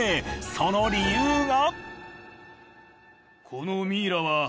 その理由が。